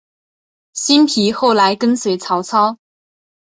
辛毗后来跟随曹操。